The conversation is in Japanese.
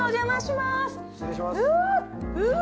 うわ！